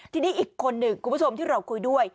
ทีนี้อีกคนหนึ่งคุณผู้ชมที่เราคุยด้วย